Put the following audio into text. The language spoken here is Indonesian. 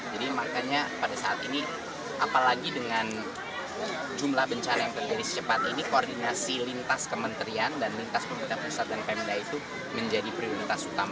jadi makanya pada saat ini apalagi dengan jumlah bencana yang terjadi secepat ini koordinasi lintas kementerian dan lintas pemerintah pusat dan pemda itu menjadi prioritas utama